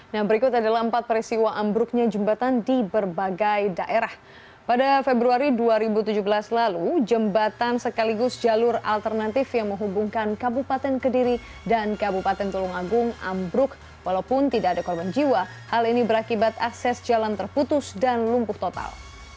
nah berikut adalah empat peristiwa ambruknya jembatan di berbagai daerah pada februari dua ribu tujuh belas lalu jembatan sekaligus jalur alternatif yang menghubungkan kabupaten kediri dan kabupaten tulung agung ambruk walaupun tidak ada korban jiwa hal ini berakibat akses jalan terputus dan lumpuh total